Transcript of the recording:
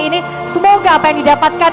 ini semoga apa yang didapatkan